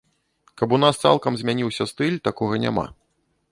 Каб у нас цалкам змяніўся стыль, такога няма.